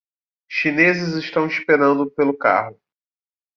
Chineses estão esperando pelo carro